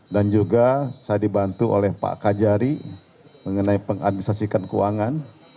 juga saya dibantu oleh pak kajari mengenai pengadministrasikan keuangan